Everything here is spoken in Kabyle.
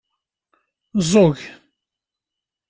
Ẓugg.